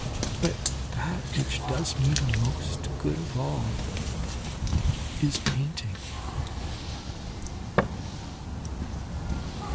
But that which does me the most good of all is painting.